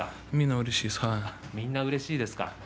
みんな、うれしいです。